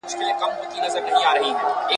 د مثال په ډول زه دادی اوس یو آزاد شعر لیکم !.